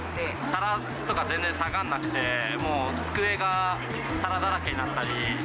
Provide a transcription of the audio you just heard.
皿とか全然下がらなくて、もう机が皿だらけになったり。